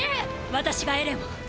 私がエレンを。